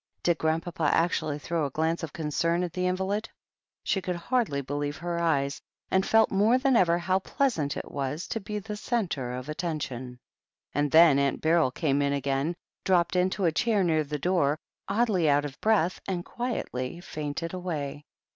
Did Grandpapa actually throw a glance of concern at the invalid ? She could hardly believe her eyes, and THE HEEL OF ACHILLES 47 felt more than ever how pleasant it was to be the centre of attention. And then Aunt Beryl came in again, dropped into a chair near the door, oddly out of breath, and quietly fainted away.